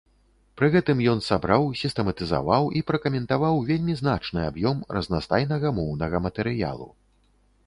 Пры гэтым ён сабраў, сістэматызаваў і пракаментаваў вельмі значны аб'ём разнастайнага моўнага матэрыялу.